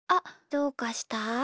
どうかした？